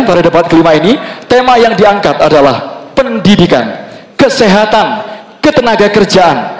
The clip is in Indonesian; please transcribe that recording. pada debat kelima ini tema yang diangkat adalah pendidikan kesehatan ketenaga kerjaan